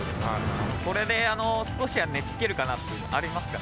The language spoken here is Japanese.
これで少しは寝つけるかなっていうの、ありますかね？